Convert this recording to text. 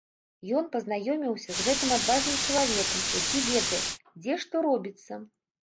Ён пазнаёміўся з гэтым адважным чалавекам, які ведае, дзе што робіцца.